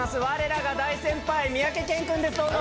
われらが大先輩三宅健君です。